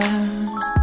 itu yang ku inginkan